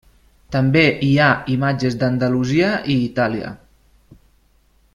També hi ha imatges d'Andalusia i Itàlia.